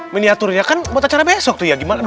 miniaturnya kan buat acara besok tuh ya gimana